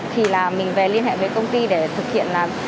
thì là mình về liên hệ với công ty để thực hiện là